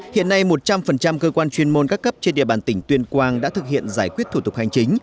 hiện nay một trăm linh cơ quan chuyên môn các cấp trên địa bàn tỉnh tuyên quang đã thực hiện giải quyết thủ tục hành chính